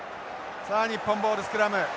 さあ日本ボールスクラム。